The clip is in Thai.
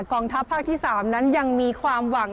กองทัพภาคที่๓นั้นยังมีความหวัง